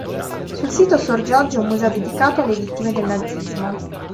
Sul sito sorge oggi un museo dedicato alle vittime del Nazismo.